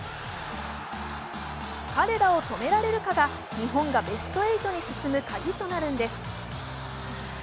彼らを止められるかが日本がベスト８に進むカギとなるんです。